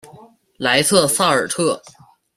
莱瑟萨尔特。